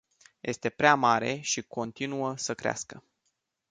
Este prea mare și continuă să crească.